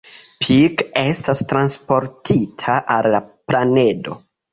Pike estas transportita al la planedo.